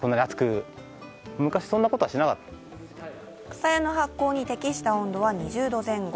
くさやの発酵に適した温度は２０度前後。